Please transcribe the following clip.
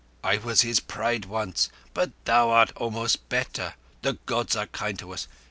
"I was his pride once, but thou art almost better. The Gods are kind to us!